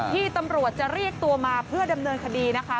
ที่ตำรวจจะเรียกตัวมาเพื่อดำเนินคดีนะคะ